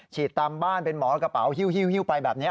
ตามบ้านเป็นหมอกระเป๋าฮิ้วไปแบบนี้